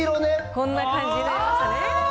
こんな感じになりましたね。